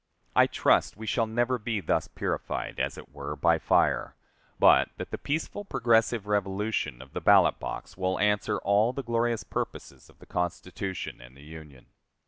I trust we shall never be thus purified, as it were, by fire; but that the peaceful, progressive revolution of the ballot box will answer all the glorious purposes of the Constitution and the Union.